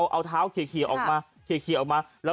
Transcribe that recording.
เอาเท้าขี่ออกมา